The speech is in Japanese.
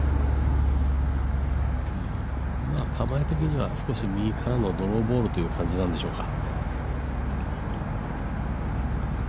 構え的には少し右からのドローボールという感じでしょうか。